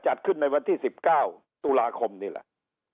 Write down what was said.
จัดขึ้นในวันที่สิบเก้าธุระคมนี่แหละ